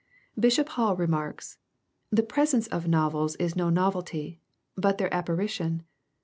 ] Bishop Hall remarks, " The presence of angels is no novelty, but their apparition.